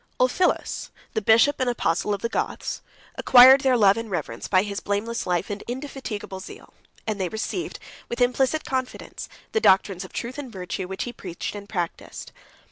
Ulphilas, the bishop and apostle of the Goths, 74 acquired their love and reverence by his blameless life and indefatigable zeal; and they received, with implicit confidence, the doctrines of truth and virtue which he preached and practised.